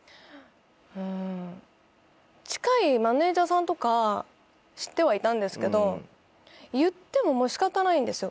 うん近いマネジャーさんとか知ってはいたんですけど言ってももう仕方ないんですよ